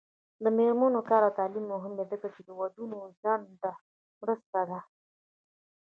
د میرمنو کار او تعلیم مهم دی ځکه چې ودونو ځنډ مرسته ده